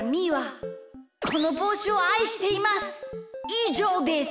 いじょうです。